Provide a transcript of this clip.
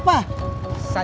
babeh diem aja